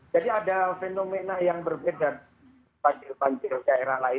jadi ada fenomena yang berbeda